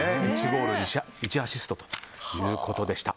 １ゴール１アシストということでした。